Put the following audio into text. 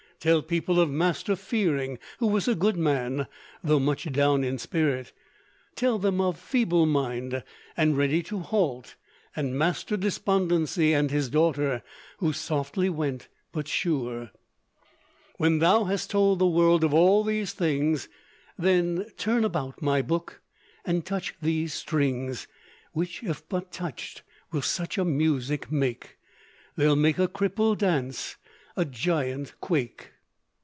Tell people of Master Fearing, who was a good man, though much down in spirit. Tell them of Feeble mind, and Ready to halt, and Master Despondency and his daughter, who 'softly went but sure.' "When thou hast told the world of all these things, Then turn about, my Book, and touch these strings, Which, if but touched, will such a music make, They'll make a cripple dance, a giant quake."